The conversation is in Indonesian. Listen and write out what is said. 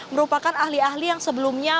merupakan ahli ahli yang sebelumnya